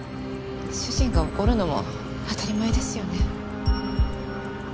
主人が怒るのも当たり前ですよね。